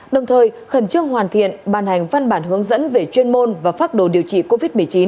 đồng thời khẩn trương hoàn thiện ban hành văn bản hướng dẫn về chuyên môn và phác đồ điều trị covid một mươi chín